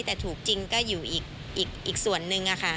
แต่ถูกจริงก็อยู่อีกส่วนนึงค่ะ